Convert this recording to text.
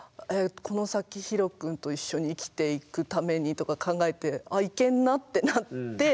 この先ひろ君と一緒に生きていくためにとか考えて「あっいけんな」ってなって。